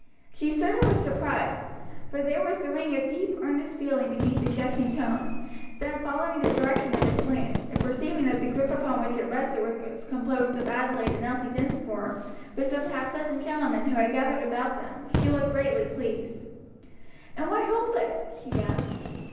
She started with surprise, for there was the ring of deep, earnest feeling beneath the jesting tone then following the direction of his glance, and perceiving that the group upon which it rested was composed of Adelaide and Elsie Dinsmore, with some half dozen gentlemen who had gathered about them, she looked greatly pleased. "And why hopeless?" she asked.